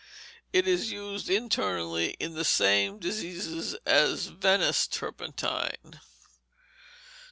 It is used internally in the same diseases as Venice turpentine.